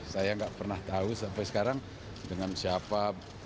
saya nggak pernah tahu sampai sekarang dengan siapa